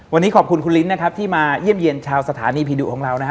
วันนี้ขอบคุณคุณลิ้นนะครับที่มาเยี่ยมเยี่ยมชาวสถานีผีดุของเรานะฮะ